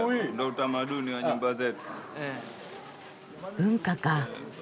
文化か。